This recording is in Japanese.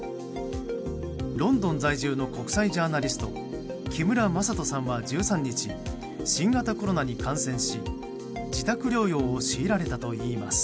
ロンドン在住の国際ジャーナリスト木村正人さんは１３日、新型コロナに感染し自宅療養を強いられたといいます。